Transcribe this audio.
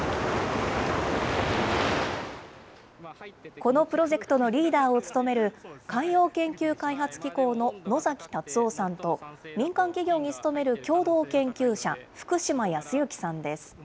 このプロジェクトのリーダーを務める、海洋研究開発機構の野崎達生さんと、民間企業に勤める共同研究者、福島康之さんです。